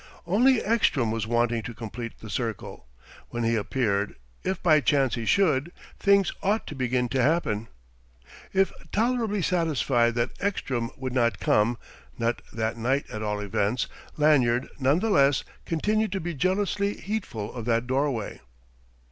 Only Ekstrom was wanting to complete the circle. When he appeared if by chance he should things ought to begin to happen. If tolerably satisfied that Ekstrom would not come not that night, at all events Lanyard, none the less, continued to be jealously heedful of that doorway.